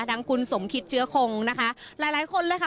ทั้งคุณสมคิดเชื้อคงหลายคนเลยค่ะ